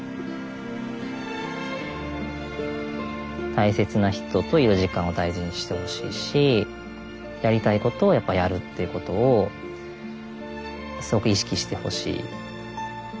大切な人といる時間を大事にしてほしいしやりたいことをやっぱやるっていうことをすごく意識してほしい。